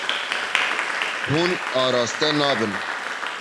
Hûn araste nabin.